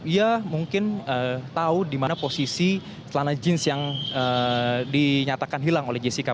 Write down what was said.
ia mungkin tahu di mana posisi celana jeans yang dinyatakan hilang oleh jessica